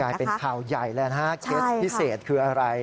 กลายเป็นข่าวใหญ่แล้วแคสพิเศษคืออะไร